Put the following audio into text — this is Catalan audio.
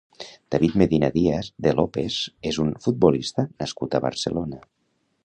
David Medina Díaz de López és un futbolista nascut a Barcelona.